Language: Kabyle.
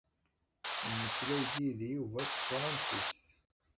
Yemmeslay-d yid-i Yuba s tefransist.